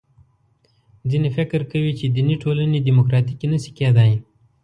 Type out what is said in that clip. ځینې فکر کوي چې دیني ټولنې دیموکراتیکې نه شي کېدای.